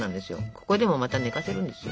ここでもまた寝かせるんですよ。